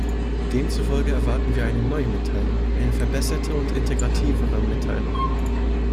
Demzufolge erwarten wir eine neue Mitteilung, eine verbesserte und integrativere Mitteilung.